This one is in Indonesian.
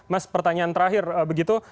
mas pertanyaan terakhir begitu